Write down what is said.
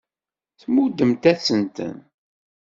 Tmuddemt-asen-ten.